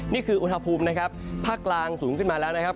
นี่คืออุณหภูมินะครับภาคกลางสูงขึ้นมาแล้วนะครับ